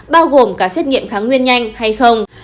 bao gồm cả xét nghiệm kháng nguyên nhanh hay không